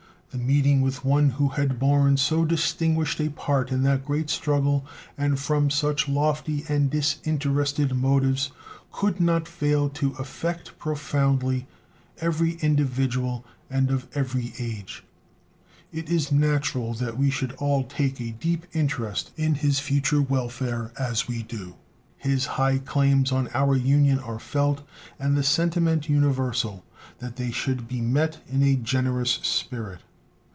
The meeting with one who had borne so distinguished a part in that great struggle, and from such lofty and disinterested motives, could not fail to affect profoundly every individual and of every age. It is natural that we should all take a deep interest in his future welfare, as we do. His high claims on our Union are felt, and the sentiment universal that they should be met in a generous spirit.